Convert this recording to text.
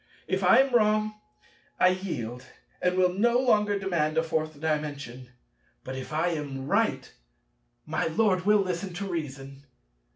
If I am wrong, I yield, and will no longer demand a Fourth Dimension; but, if I am right, my Lord will listen to reason.